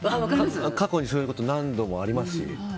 過去にそういうこと何度もありますし。